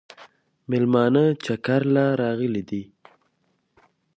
مېلمانه چکر له راغلي دي